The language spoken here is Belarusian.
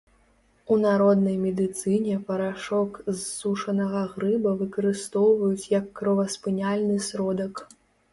У народнай медыцыне парашок з сушанага грыба выкарыстоўваюць як кроваспыняльны сродак.